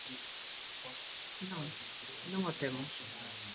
Non, non o temos.